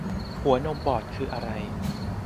หัวนมบอดคืออะไร